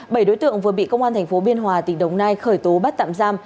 bảy đối tượng vừa bị công an tp biên hòa tỉnh đồng nai khởi tố bắt tạm giam